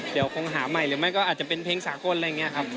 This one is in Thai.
เดี๋ยวคงหาใหม่หรือไม่ก็อาจจะเป็นเพลงสากลอะไรอย่างนี้ครับ